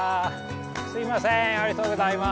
すみませんありがとうございます。